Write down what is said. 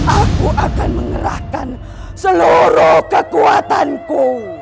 aku akan mengerahkan seluruh kekuatanku